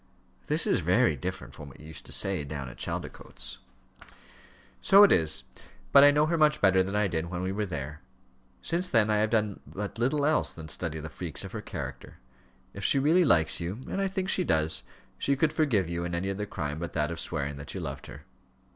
"This is very different from what you used to say, down at Chaldicotes." "So it is; but I know her much better than I did when we were there. Since then I have done but little else than study the freaks of her character. If she really likes you and I think she does she could forgive you any other crime but that of swearing that you loved her."